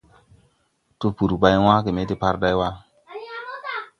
Tpur bay wããge me deparday wa ga ?